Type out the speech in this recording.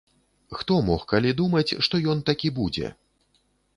Хто мог калі думаць, што ён такі будзе?